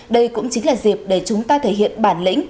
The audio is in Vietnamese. đây cũng chính là dịp để chúng ta thể hiện bản lĩnh